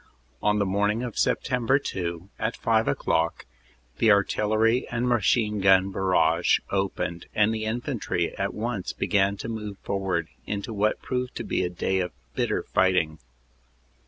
"On the morning of Sept. 2, at five o clock, the artillery and machine gun barrage opened, and the infantry at once began to move forward into what proved to be a day of bitter fight ing.